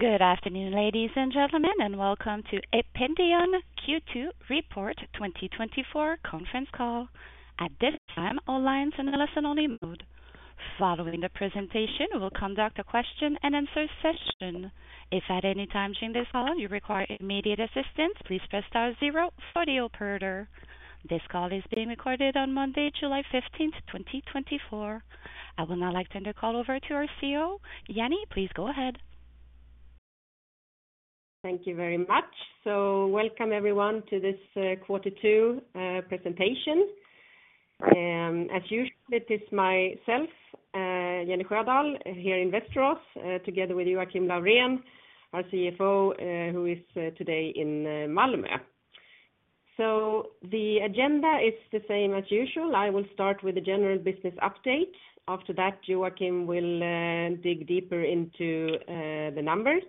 Good afternoon, ladies and gentlemen, and welcome to Ependion Q2 Report 2024 conference call. At this time, all lines in a listen-only mode. Following the presentation, we will conduct a question and answer session. If at any time during this call you require immediate assistance, please press star zero for the operator. This call is being recorded on Monday, July 15th, 2024. I will now like to hand the call over to our CEO. Jenny, please go ahead. Thank you very much. So welcome everyone to this quarter two presentation. As usual, it is myself, Jenny Sjödahl, here in Västerås, together with Joakim Laurén, our CFO, who is today in Malmö. So the agenda is the same as usual. I will start with a general business update. After that, Joakim will dig deeper into the numbers.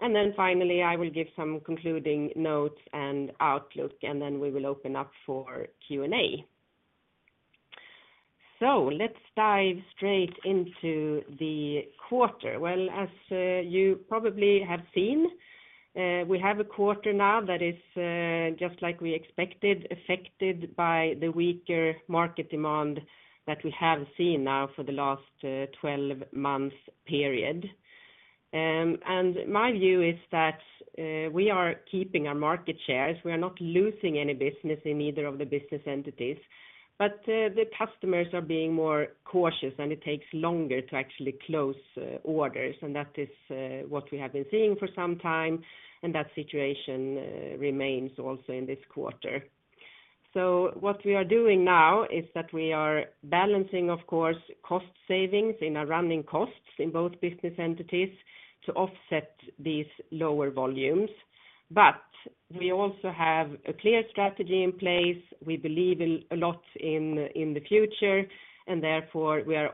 And then finally, I will give some concluding notes and outlook, and then we will open up for Q&A. So let's dive straight into the quarter. Well, as you probably have seen, we have a quarter now that is just like we expected, affected by the weaker market demand that we have seen now for the last 12 months period. And my view is that we are keeping our market shares. We are not losing any business in either of the business entities, but the customers are being more cautious, and it takes longer to actually close orders, and that is what we have been seeing for some time, and that situation remains also in this quarter. So what we are doing now is that we are balancing, of course, cost savings in our running costs in both business entities to offset these lower volumes. But we also have a clear strategy in place. We believe in a lot in the future, and therefore we are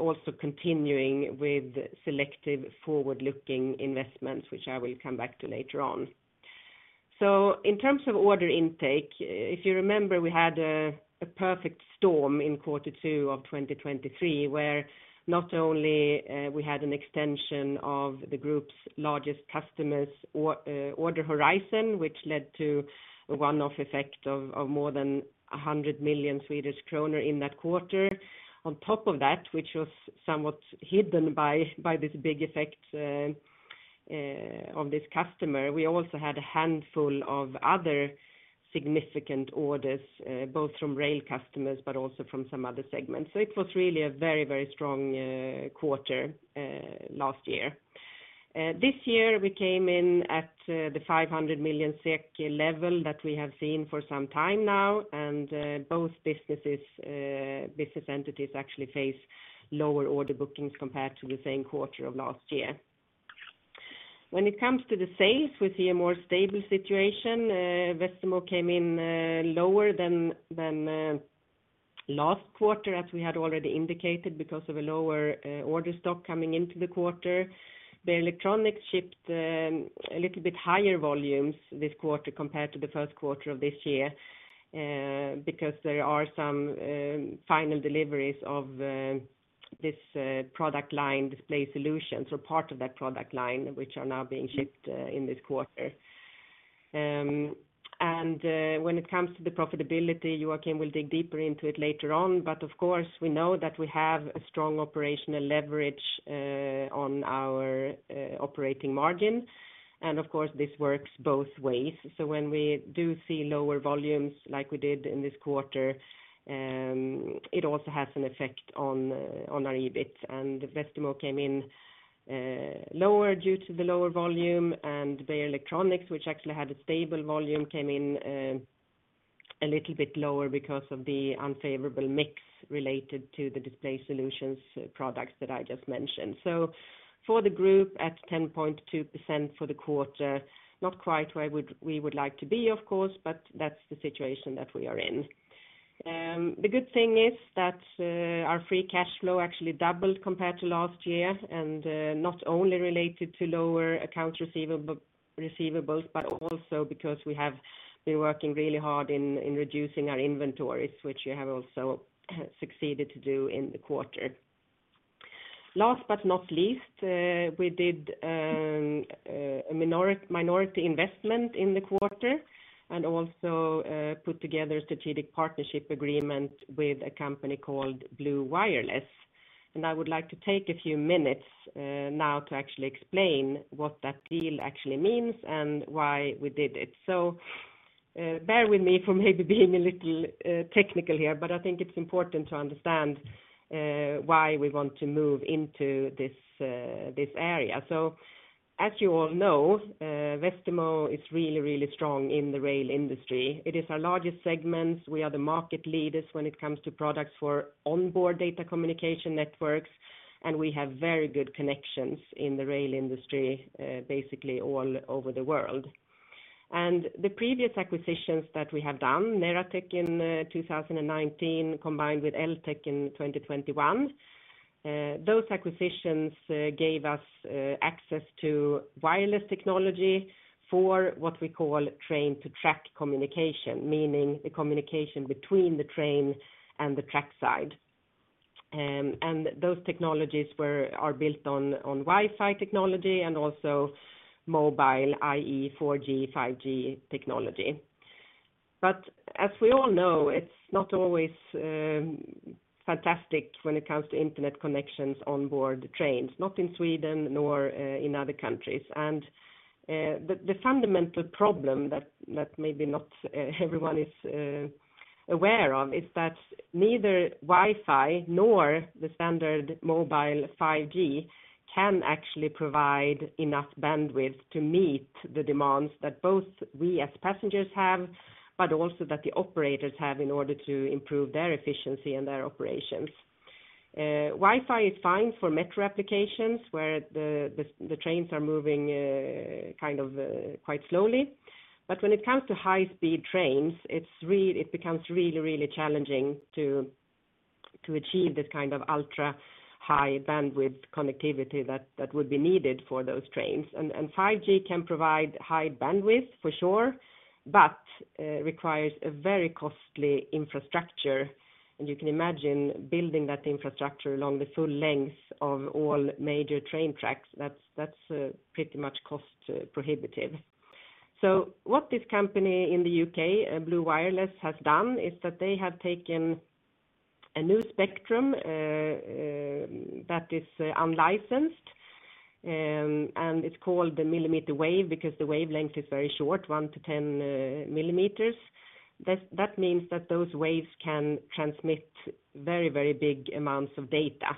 also continuing with selective forward-looking investments, which I will come back to later on. So in terms of order intake, if you remember, we had a perfect storm in quarter two of 2023, where not only we had an extension of the group's largest customers or order horizon, which led to a one-off effect of more than 100 million Swedish kronor in that quarter. On top of that, which was somewhat hidden by this big effect of this customer, we also had a handful of other significant orders both from rail customers, but also from some other segments. So it was really a very, very strong quarter last year. This year, we came in at the 500 million SEK level that we have seen for some time now, and both businesses business entities actually face lower order bookings compared to the same quarter of last year. When it comes to the sales, we see a more stable situation. Westermo came in lower than last quarter, as we had already indicated, because of a lower order stock coming into the quarter. Beijer Electronics shipped a little bit higher volumes this quarter compared to the first quarter of this year, because there are some final deliveries of this product line Display Solutions or part of that product line, which are now being shipped in this quarter. And when it comes to the profitability, Joakim will dig deeper into it later on. But of course, we know that we have a strong operational leverage on our operating margin. And of course, this works both ways. So when we do see lower volumes like we did in this quarter, it also has an effect on our EBIT. And Westermo came in lower due to the lower volume, and Beijer Electronics, which actually had a stable volume, came in a little bit lower because of the unfavorable mix related to the Display Solutions products that I just mentioned. So for the group, at 10.2% for the quarter, not quite where we would like to be, of course, but that's the situation that we are in. The good thing is that our free cash flow actually doubled compared to last year, and not only related to lower accounts receivable, receivables, but also because we have been working really hard in reducing our inventories, which we have also succeeded to do in the quarter. Last but not least, we did a minority investment in the quarter and also put together a strategic partnership agreement with a company called Blu Wireless. And I would like to take a few minutes now to actually explain what that deal actually means and why we did it. So, bear with me for maybe being a little technical here, but I think it's important to understand why we want to move into this this area. So as you all know, Westermo is really, really strong in the rail industry. It is our largest segment. We are the market leaders when it comes to products for onboard data communication networks, and we have very good connections in the rail industry basically all over the world. And the previous acquisitions that we have done, Neratec in 2019, combined with ELTEC in 2021, those acquisitions gave us access to wireless technology for what we call train-to-track communication, meaning the communication between the train and the trackside. And those technologies are built on Wi-Fi technology and also mobile, i.e., 4G, 5G technology. But as we all know, it's not always fantastic when it comes to internet connections on board the trains, not in Sweden nor in other countries. And the fundamental problem that maybe not everyone is aware of is that neither Wi-Fi nor the standard mobile 5G can actually provide enough bandwidth to meet the demands that both we as passengers have, but also that the operators have in order to improve their efficiency and their operations. Wi-Fi is fine for metro applications, where the trains are moving kind of quite slowly. But when it comes to high-speed trains, it becomes really, really challenging to achieve this kind of ultra-high bandwidth connectivity that would be needed for those trains. 5G can provide high bandwidth for sure, but requires a very costly infrastructure. You can imagine building that infrastructure along the full length of all major train tracks. That's pretty much cost prohibitive. So what this company in the U.K., Blu Wireless, has done is that they have taken a new spectrum that is unlicensed, and it's called the millimeter wave, because the wavelength is very short, 1-10 millimeters. That means that those waves can transmit very, very big amounts of data.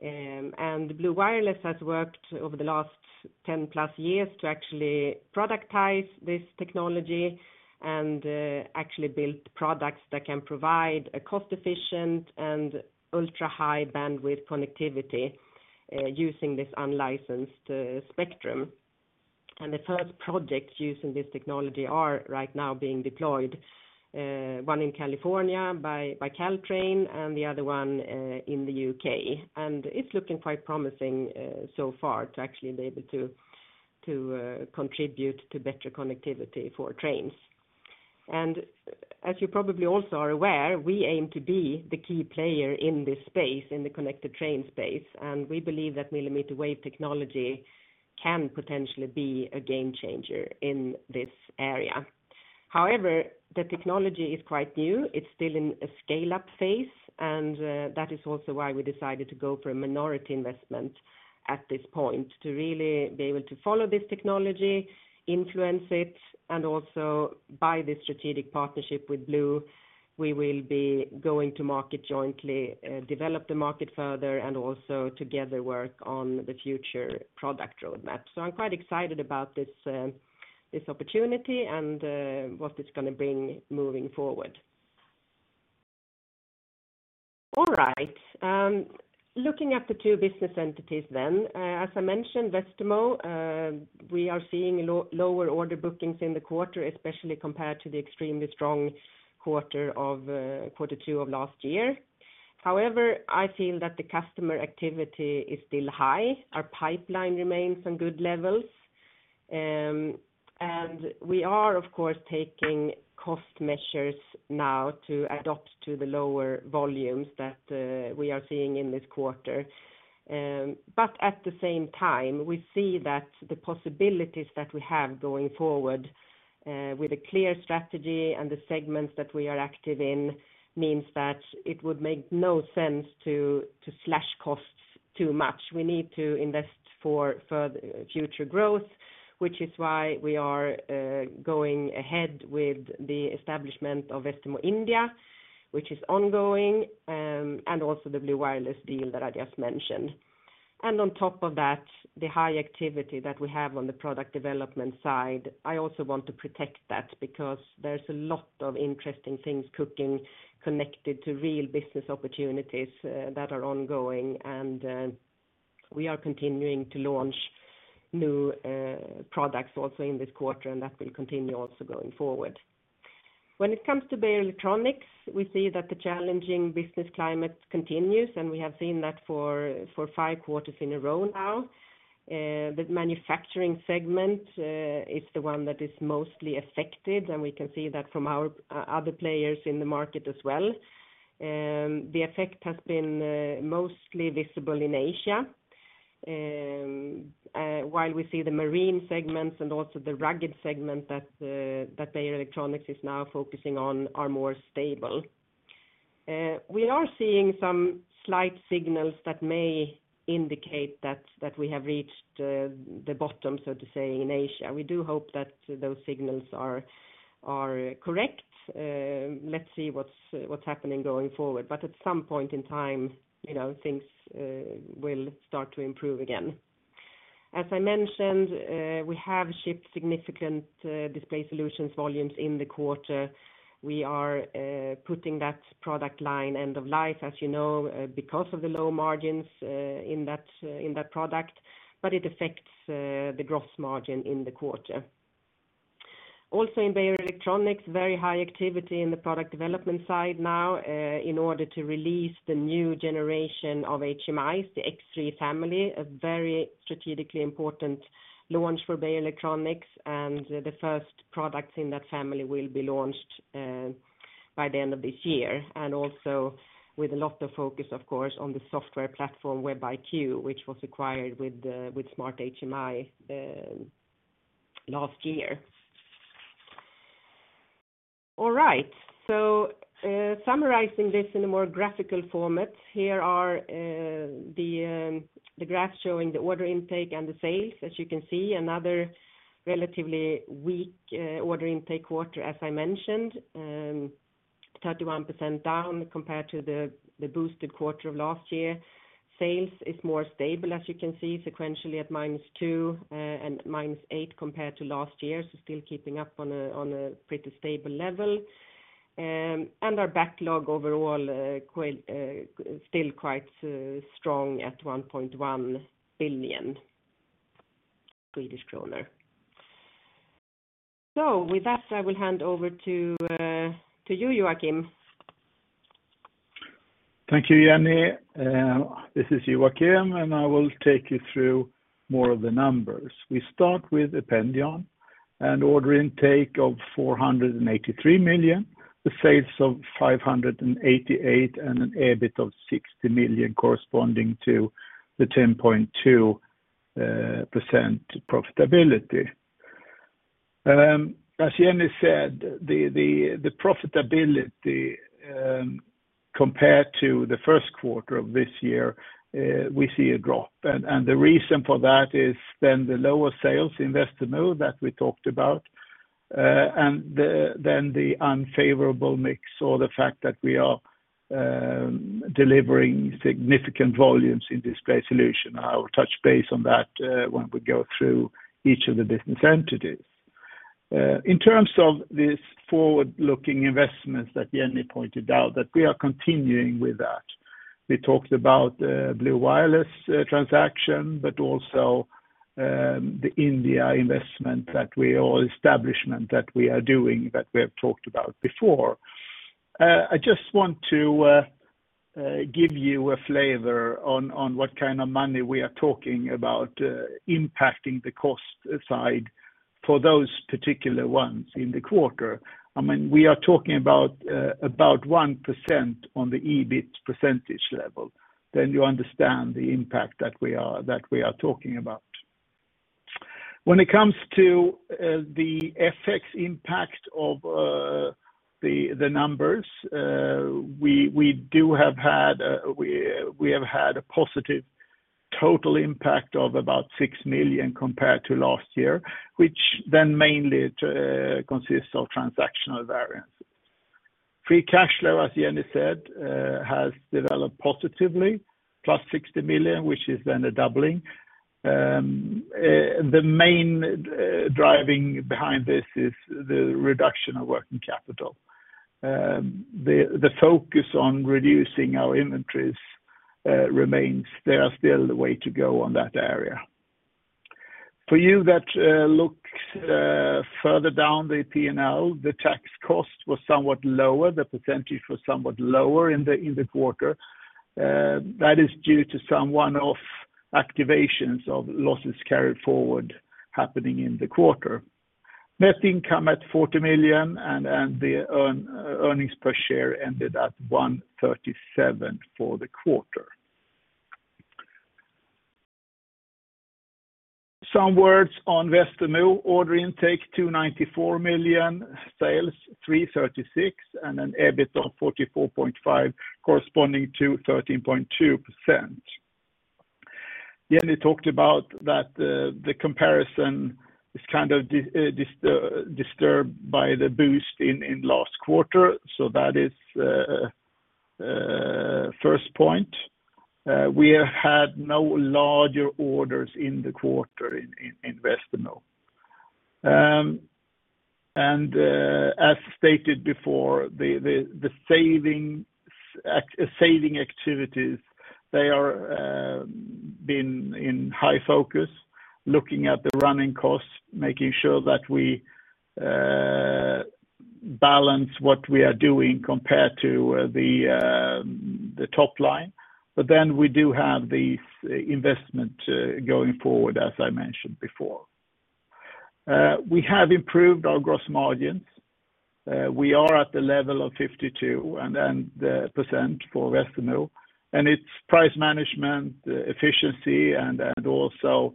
And Blu Wireless has worked over the last 10+ years to actually productize this technology and actually build products that can provide a cost efficient and ultra-high bandwidth connectivity using this unlicensed spectrum. And the first projects using this technology are right now being deployed, one in California by Caltrain and the other one in the U.K. And it's looking quite promising so far to actually be able to contribute to better connectivity for trains. And as you probably also are aware, we aim to be the key player in this space, in the connected train space, and we believe that millimeter wave technology can potentially be a game changer in this area. However, the technology is quite new. It's still in a scale-up phase, and, that is also why we decided to go for a minority investment at this point, to really be able to follow this technology, influence it, and also, by this strategic partnership with Blu, we will be going to market jointly, develop the market further, and also together work on the future product roadmap. So I'm quite excited about this, this opportunity and, what it's gonna bring moving forward. All right. Looking at the two business entities then, as I mentioned, Westermo, we are seeing lower order bookings in the quarter, especially compared to the extremely strong quarter of, quarter two of last year. However, I feel that the customer activity is still high. Our pipeline remains on good levels. And we are, of course, taking cost measures now to adapt to the lower volumes that we are seeing in this quarter. But at the same time, we see that the possibilities that we have going forward, with a clear strategy and the segments that we are active in, means that it would make no sense to slash costs too much. We need to invest for future growth, which is why we are going ahead with the establishment of Westermo India, which is ongoing, and also the Blu Wireless deal that I just mentioned. On top of that, the high activity that we have on the product development side, I also want to protect that because there's a lot of interesting things cooking connected to real business opportunities that are ongoing, and we are continuing to launch new products also in this quarter, and that will continue also going forward. When it comes to Beijer Electronics, we see that the challenging business climate continues, and we have seen that for five quarters in a row now. The manufacturing segment is the one that is mostly affected, and we can see that from our other players in the market as well. The effect has been mostly visible in Asia, while we see the marine segments and also the rugged segment that Beijer Electronics is now focusing on are more stable. We are seeing some slight signals that may indicate that we have reached the bottom, so to say, in Asia. We do hope that those signals are correct. Let's see what's happening going forward. But at some point in time, you know, things will start to improve again. As I mentioned, we have shipped significant Display Solutions volumes in the quarter. We are putting that product line end-of-life, as you know, because of the low margins in that product, but it affects the gross margin in the quarter. Also, in Beijer Electronics, very high activity in the product development side now, in order to release the new generation of HMIs, the X3 family, a very strategically important launch for Beijer Electronics, and the first products in that family will be launched by the end of this year, and also with a lot of focus, of course, on the software platform, WebIQ, which was acquired with Smart HMI last year. All right. So, summarizing this in a more graphical format, here are the graph showing the order intake and the sales. As you can see, another relatively weak order intake quarter, as I mentioned, 31% down compared to the boosted quarter of last year. Sales is more stable, as you can see, sequentially, at -2% and -8% compared to last year. So, still keeping up on a pretty stable level. And our backlog overall, quite still quite strong at 1.1 billion Swedish kronor. So with that, I will hand over to you, Joakim. Thank you, Jenny. This is Joakim, and I will take you through more of the numbers. We start with Ependion, an order intake of 483 million, the sales of 588 million, and an EBIT of 60 million, corresponding to the 10.2% profitability. As Jenny said, the profitability compared to the first quarter of this year, we see a drop. The reason for that is then the lower sales in Westermo that we talked about, and then the unfavorable mix or the fact that we are delivering significant volumes in Display Solutions. I will touch base on that, when we go through each of the business entities. In terms of this forward-looking investments that Jenny pointed out, that we are continuing with that. We talked about, Blu Wireless, transaction, but also, the India investment that we all-- establishment that we are doing, that we have talked about before. I just want to, give you a flavor on, on what kind of money we are talking about, impacting the cost side for those particular ones in the quarter. I mean, we are talking about, about 1% on the EBIT percentage level, then you understand the impact that we are, that we are talking about. When it comes to, the FX impact of, the, the numbers, we have had a positive total impact of about 6 million compared to last year, which then mainly, consists of transactional variances. Free cash flow, as Jenny said, has developed positively, +60 million, which is then a doubling. The main driving behind this is the reduction of working capital. The focus on reducing our inventories remains. There are still the way to go on that area. For you that look further down the P&L, the tax cost was somewhat lower, the percentage was somewhat lower in the quarter. That is due to some one-off activations of losses carried forward happening in the quarter. Net income at 40 million and the earnings per share ended at 1.37 for the quarter. Some words on Westermo. Order intake 294 million, sales 336 million, and an EBIT of 44.5, corresponding to 13.2%. Jenny talked about that the comparison is kind of disturbed by the boost in last quarter, so that is first point. We have had no larger orders in the quarter in Westermo. And, as stated before, the saving activities, they have been in high focus, looking at the running costs, making sure that we balance what we are doing compared to the top line. But then we do have the investment going forward, as I mentioned before. We have improved our gross margins. We are at the level of 52% for Westermo, and it's price management, efficiency, and also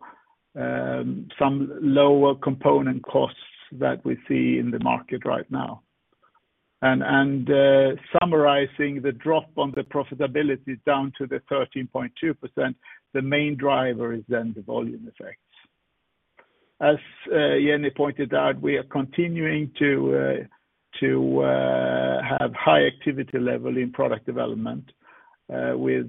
some lower component costs that we see in the market right now. Summarizing the drop on the profitability down to the 13.2%, the main driver is then the volume effects. As Jenny pointed out, we are continuing to have high activity level in product development with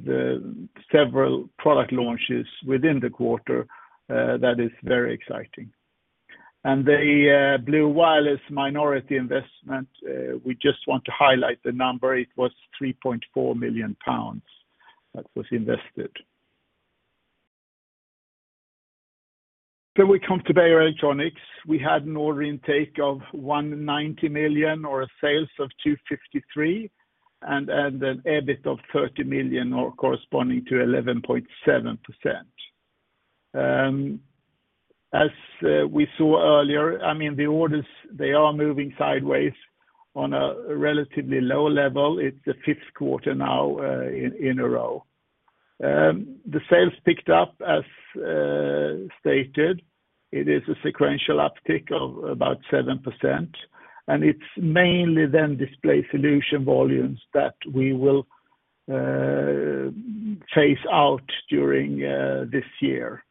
several product launches within the quarter. That is very exciting. And the Blu Wireless minority investment, we just want to highlight the number. It was 3.4 million pounds that was invested. So we come to Beijer Electronics. We had an order intake of 190 million, or sales of 253 million, and an EBIT of 30 million, corresponding to 11.7%. As we saw earlier, I mean, the orders, they are moving sideways on a relatively low level. It's the fifth quarter now in a row. The sales picked up as stated. It is a sequential uptick of about 7%, and it's mainly then Display Solutions volumes that we will phase out during this year.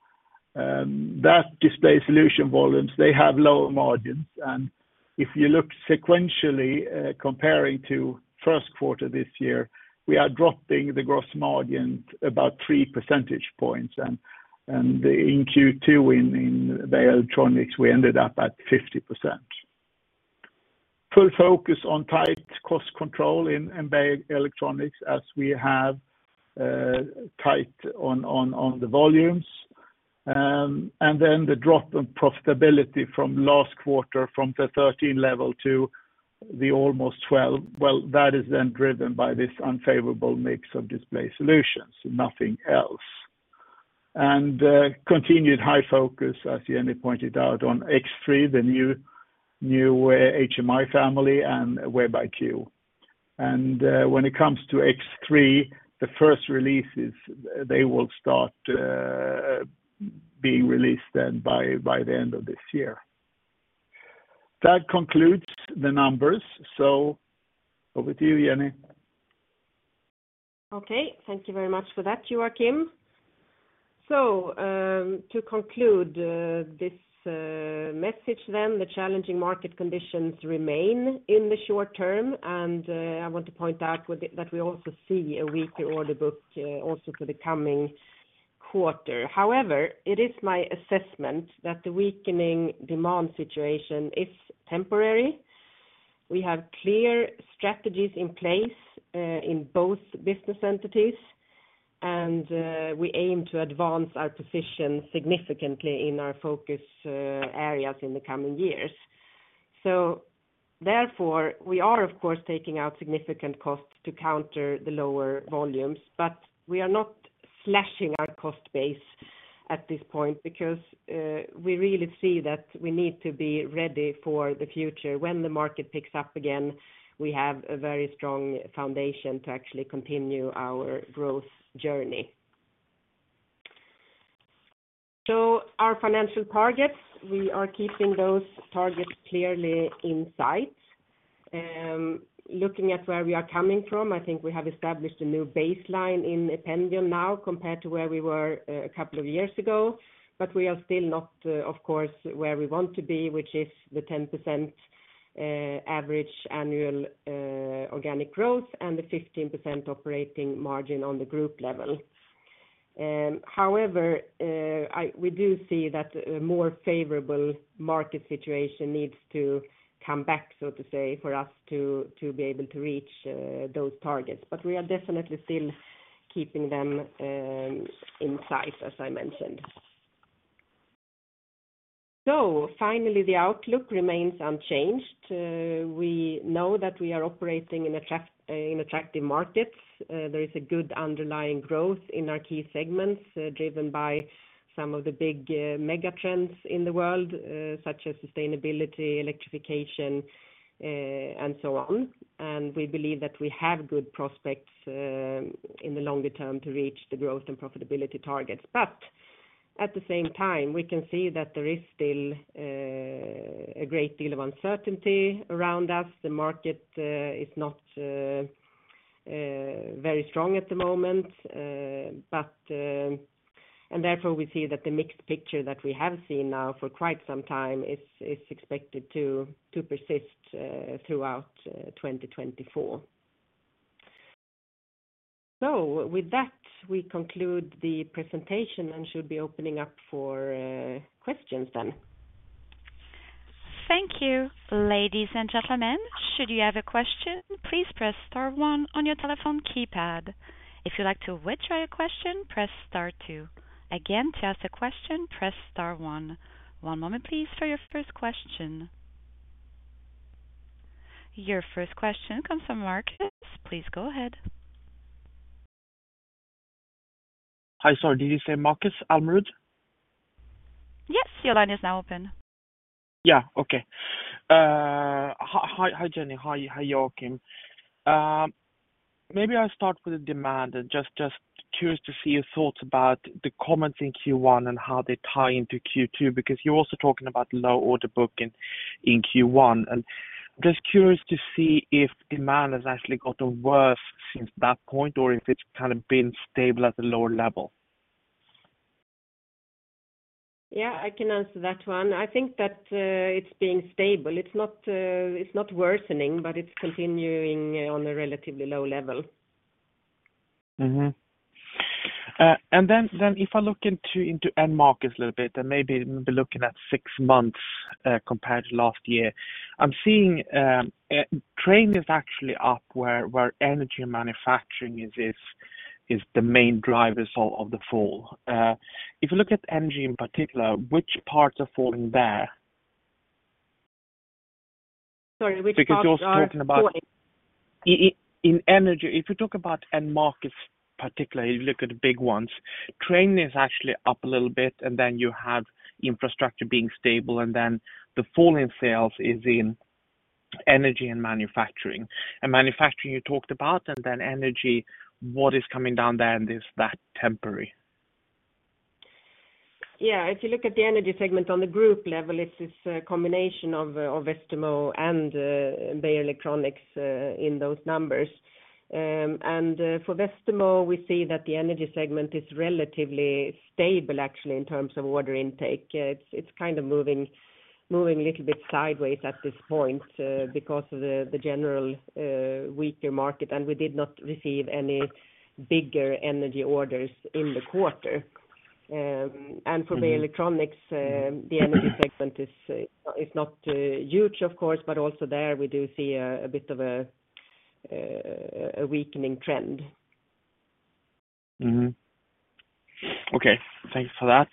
That Display Solutions volumes, they have lower margins, and if you look sequentially, comparing to first quarter this year, we are dropping the gross margin about three percentage points, and in Q2, in the electronics, we ended up at 50%. Full focus on tight cost control in Beijer Electronics as we have tight on the volumes. And then the drop in profitability from last quarter, from the 13 level to the almost 12, well, that is then driven by this unfavorable mix of Display Solutions, nothing else. And continued high focus, as Jenny pointed out, on X3, the new HMI family and WebIQ. When it comes to X3, the first releases, they will start being released then by the end of this year. That concludes the numbers. So over to you, Jenny. Okay, thank you very much for that, Joakim. So, to conclude, this message, then the challenging market conditions remain in the short term, and, I want to point out with it, that we also see a weaker order book, also for the coming quarter. However, it is my assessment that the weakening demand situation is temporary. We have clear strategies in place, in both business entities, and, we aim to advance our position significantly in our focus, areas in the coming years. So therefore, we are, of course, taking out significant costs to counter the lower volumes, but we are not slashing our cost base at this point because, we really see that we need to be ready for the future. When the market picks up again, we have a very strong foundation to actually continue our growth journey. So our financial targets, we are keeping those targets clearly in sight. Looking at where we are coming from, I think we have established a new baseline in Ependion now compared to where we were a couple of years ago, but we are still not, of course, where we want to be, which is the 10% average annual organic growth and the 15% operating margin on the group level. However, we do see that a more favorable market situation needs to come back, so to say, for us to be able to reach those targets, but we are definitely still keeping them in sight, as I mentioned. So finally, the outlook remains unchanged. We know that we are operating in attractive markets. There is a good underlying growth in our key segments, driven by some of the big mega trends in the world, such as sustainability, electrification, and so on. We believe that we have good prospects in the longer term to reach the growth and profitability targets. But at the same time, we can see that there is still a great deal of uncertainty around us. The market is not very strong at the moment, but and therefore, we see that the mixed picture that we have seen now for quite some time is expected to persist throughout 2024. With that, we conclude the presentation and should be opening up for questions then. Thank you. Ladies and gentlemen, should you have a question, please press star one on your telephone keypad. If you'd like to withdraw your question, press star two. Again, to ask a question, press star one. One moment, please, for your first question. Your first question comes from Markus. Please go ahead. Hi. Sorry, did you say Markus Almerud? Yes, your line is now open. Yeah. Okay. Hi, Jenny. Hi, Joakim. Maybe I'll start with the demand and just curious to see your thoughts about the comments in Q1 and how they tie into Q2, because you're also talking about low order book in Q1. And just curious to see if demand has actually gotten worse since that point or if it's kind of been stable at a lower level. Yeah, I can answer that one. I think that, it's being stable. It's not, it's not worsening, but it's continuing on a relatively low level. Mm-hmm. And then if I look into end markets a little bit, and maybe be looking at six months compared to last year, I'm seeing train is actually up, where energy and manufacturing is the main drivers of the fall. If you look at energy in particular, which parts are falling there?... Sorry, we just talking about in energy, if you talk about end markets particularly, you look at the big ones, train is actually up a little bit, and then you have infrastructure being stable, and then the fall in sales is in energy and manufacturing. And manufacturing, you talked about, and then energy, what is coming down there, and is that temporary? Yeah, if you look at the energy segment on the group level, it's this combination of Westermo and Beijer Electronics in those numbers. And for Westermo, we see that the energy segment is relatively stable, actually, in terms of order intake. It's kind of moving a little bit sideways at this point because of the general weaker market, and we did not receive any bigger energy orders in the quarter. And for Beijer Electronics, the energy segment is not huge, of course, but also there we do see a bit of a weakening trend. Mm-hmm. Okay, thanks for that.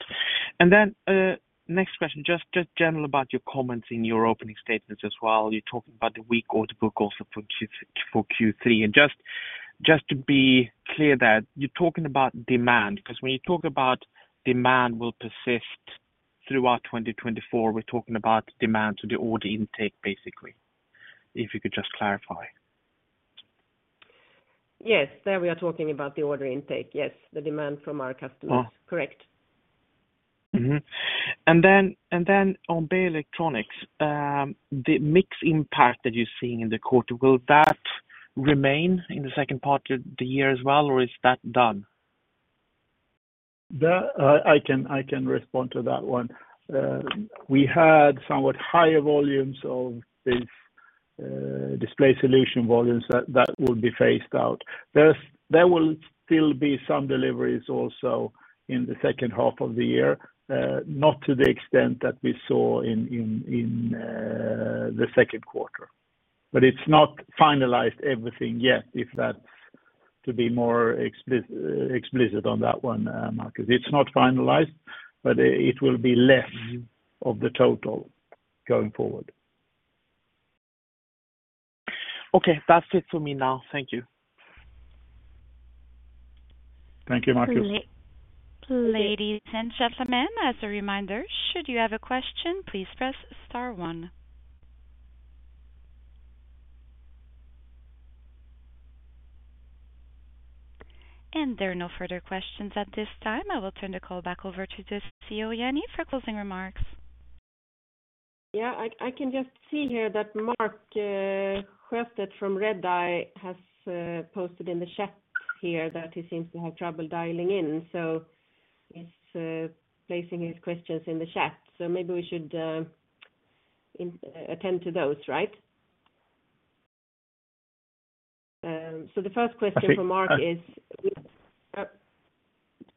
And then, next question, just, just general about your comments in your opening statements as well. You're talking about the weak order book also for Q3. And just, just to be clear that you're talking about demand, because when you talk about demand will persist throughout 2024, we're talking about demand to the order intake, basically. If you could just clarify. Yes, there we are talking about the order intake. Yes, the demand from our customers. Oh. Correct. Mm-hmm. And then, and then on Beijer Electronics, the mix impact that you're seeing in the quarter, will that remain in the second part of the year as well, or is that done? That, I can, I can respond to that one. We had somewhat higher volumes of these display solution volumes that, that would be phased out. There will still be some deliveries also in the second half of the year, not to the extent that we saw in the second quarter. But it's not finalized everything yet, if that's to be more explicit on that one, Markus. It's not finalized, but it will be less of the total going forward. Okay, that's it for me now. Thank you. Thank you, Markus. Please, ladies and gentlemen, as a reminder, should you have a question, please press star one. There are no further questions at this time. I will turn the call back over to the CEO, Jenny, for closing remarks. Yeah, I, I can just see here that Mark Siöstedt from Redeye has posted in the chat here that he seems to have trouble dialing in, so he's placing his questions in the chat. So maybe we should attend to those, right? So the first question from Mark is,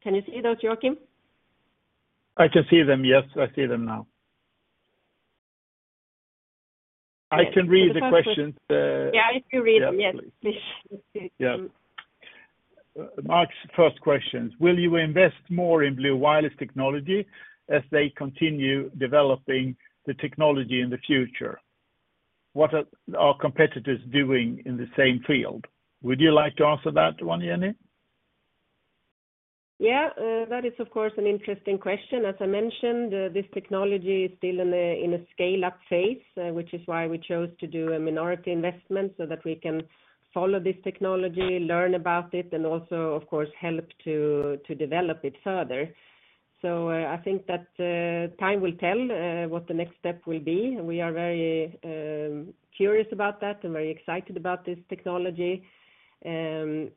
can you see those, Joakim? I can see them, yes, I see them now. I can read the questions. Yeah, if you read them. Yeah, please. Please. Yeah. Mark's first question: Will you invest more in Blu Wireless technology as they continue developing the technology in the future? What are our competitors doing in the same field? Would you like to answer that one, Jenny? Yeah, that is, of course, an interesting question. As I mentioned, this technology is still in a scale-up phase, which is why we chose to do a minority investment, so that we can follow this technology, learn about it, and also, of course, help to develop it further. So, I think that time will tell what the next step will be. We are very curious about that and very excited about this technology. And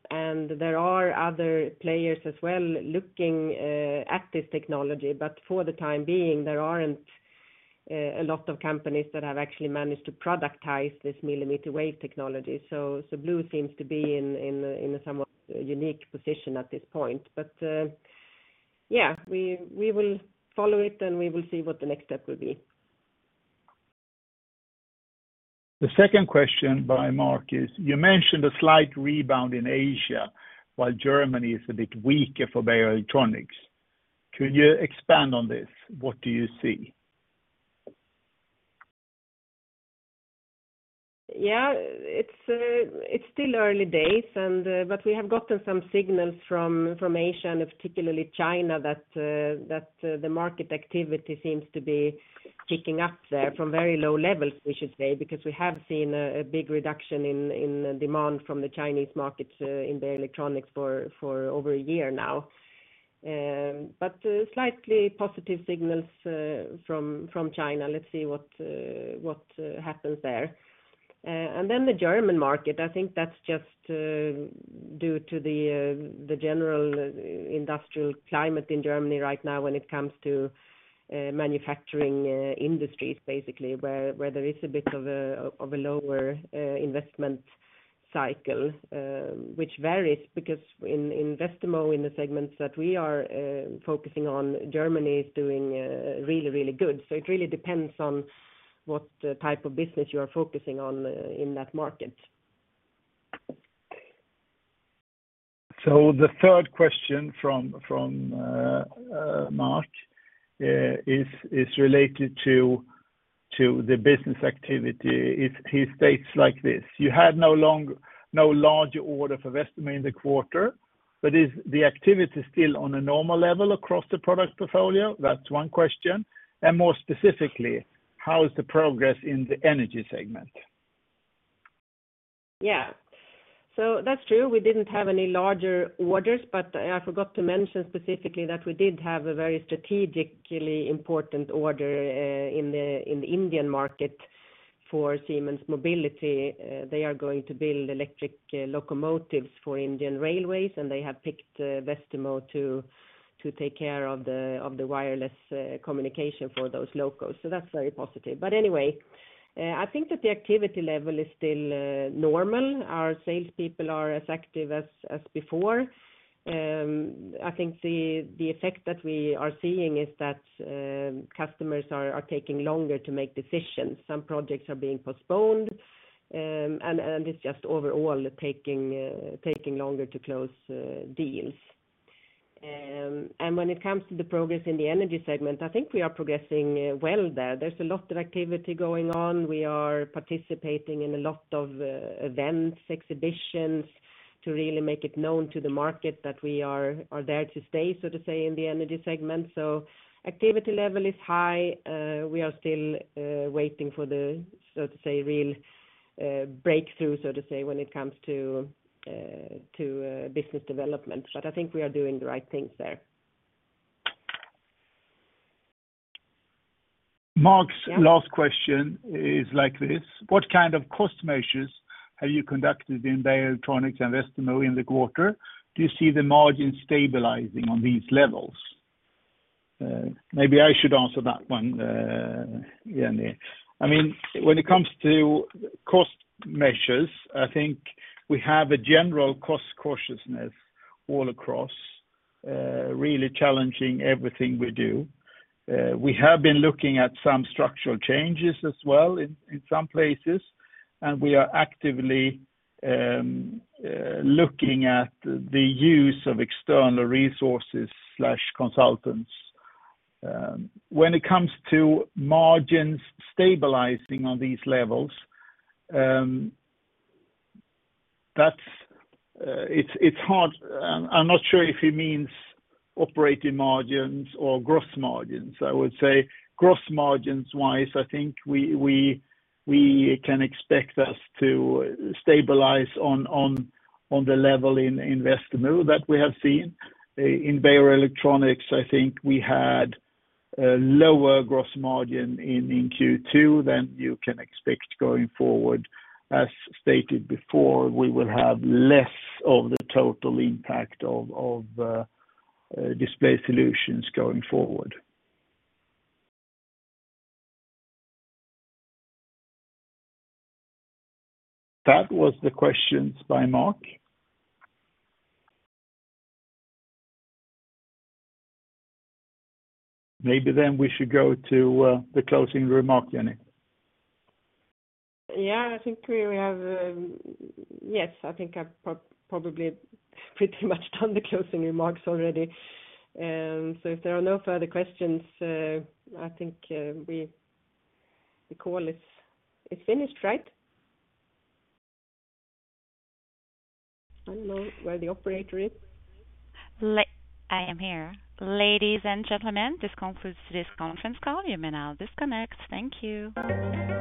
there are other players as well looking at this technology, but for the time being, there aren't a lot of companies that have actually managed to productize this millimeter wave technology. So, Blu seems to be in a somewhat unique position at this point. But, yeah, we will follow it, and we will see what the next step will be. The second question by Mark is: You mentioned a slight rebound in Asia, while Germany is a bit weaker for Beijer Electronics. Could you expand on this? What do you see? Yeah, it's still early days, and but we have gotten some signals from information, and particularly China, that the market activity seems to be kicking up there from very low levels, we should say, because we have seen a big reduction in demand from the Chinese markets in Beijer Electronics for over a year now. But slightly positive signals from China. Let's see what happens there. And then the German market, I think that's just due to the general industrial climate in Germany right now when it comes to manufacturing industries, basically, where there is a bit of a lower investment cycle, which varies, because in Westermo, in the segments that we are focusing on, Germany is doing really, really good. So it really depends on what type of business you are focusing on in that market.... So the third question from Mark is related to the business activity. If he states like this: you had no larger order for Westermo in the quarter, but is the activity still on a normal level across the product portfolio? That's one question. And more specifically, how is the progress in the energy segment? Yeah. So that's true. We didn't have any larger orders, but I forgot to mention specifically that we did have a very strategically important order in the Indian market for Siemens Mobility. They are going to build electric locomotives for Indian Railways, and they have picked Westermo to take care of the wireless communication for those locomotives. So that's very positive. But anyway, I think that the activity level is still normal. Our sales people are as active as before. I think the effect that we are seeing is that customers are taking longer to make decisions. Some projects are being postponed, and it's just overall taking longer to close deals. And when it comes to the progress in the energy segment, I think we are progressing well there. There's a lot of activity going on. We are participating in a lot of events, exhibitions, to really make it known to the market that we are there to stay, so to say, in the energy segment. So activity level is high. We are still waiting for the, so to say, real breakthrough, so to say, when it comes to business development. But I think we are doing the right things there. Mark's last question is like this: What kind of cost measures have you conducted in Beijer Electronics and Westermo in the quarter? Do you see the margin stabilizing on these levels? Maybe I should answer that one, Jenny. I mean, when it comes to cost measures, I think we have a general cost cautiousness all across, really challenging everything we do. We have been looking at some structural changes as well in some places, and we are actively looking at the use of external resources/consultants. When it comes to margins stabilizing on these levels, that's... it's hard. I'm not sure if he means operating margins or gross margins. I would say, gross margins wise, I think we can expect us to stabilize on the level in Westermo that we have seen. In Beijer Electronics, I think we had a lower gross margin in Q2 than you can expect going forward. As stated before, we will have less of the total impact of display solutions going forward. That was the questions by Mark. Maybe then we should go to the closing remark, Jenny. Yeah, I think we have. Yes, I think I've probably pretty much done the closing remarks already. So if there are no further questions, I think we, the call is finished, right? I don't know where the operator is. I am here. Ladies and gentlemen, this concludes today's conference call. You may now disconnect. Thank you.